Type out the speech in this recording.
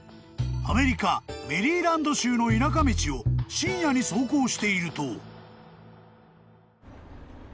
［アメリカメリーランド州の田舎道を深夜に走行していると］